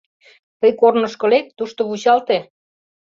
Тый корнышко лек, тушто вучалте.